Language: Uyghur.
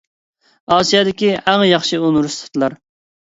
ئاسىيادىكى ئەڭ ياخشى ئۇنىۋېرسىتېتلار.